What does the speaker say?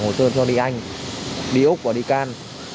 chị có thể là hồ tư cho đi anh đi úc và đi can